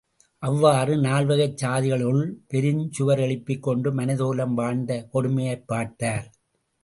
அவ்வாறு, நால்வகைச் சாதிகளுக்குள் பெருஞ்சுவர் எழுப்பிக்கொண்டு மனிதகுலம் வாழ்ந்த கொடுமையைப் பார்த்தார்.